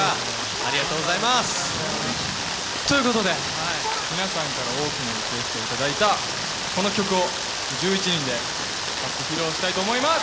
ありがとうございます！ということで皆さんから多くのリクエストを頂いたこの曲を１１人で初披露したいと思います。